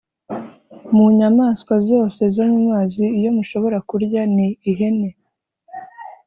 mu nyamaswa zose zo mu mazi, iyo mushobora kurya ni ihene: